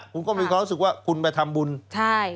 คุณก็มีความรู้สึกว่าคุณไปทำบุญใช่